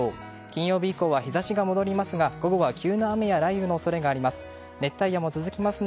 金曜日以降は日差しが戻りますが午後は急な雨や雷雨の恐れがあります。